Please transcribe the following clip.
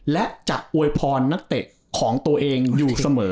และจะอวยพรนักเตะของตัวเองอยู่เสมอ